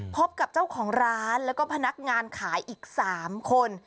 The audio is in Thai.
พบกับเจ้าของร้านแล้วก็พนักงานขายอีก๓คน